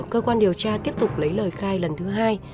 cơ quan điều tra tiếp tục lấy lời khai lần thứ hai